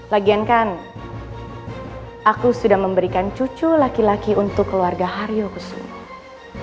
lagian kan aku sudah memberikan cucu laki laki untuk keluarga haryo kusuma